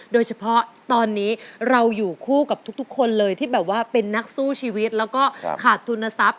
โดยเฉพาะตอนนี้เราอยู่คู่กับทุกคนเลยที่แบบว่าเป็นนักสู้ชีวิตแล้วก็ขาดทุนทรัพย